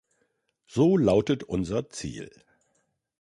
So lautet unser Ziel.